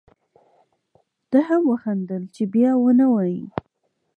ده هم وخندل چې بیا و نه وایې.